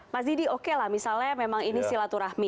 mas didi oke lah misalnya memang ini silaturahmi